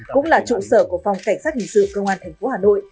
cũng là trụ sở của phòng cảnh sát hình sự công an tp hà nội